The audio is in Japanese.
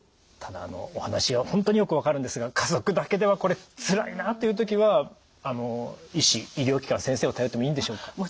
ただお話は本当によく分かるんですが家族だけではこれつらいなという時は医師医療機関先生を頼ってもいいんでしょうか？